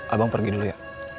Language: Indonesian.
abang pergi dulu ya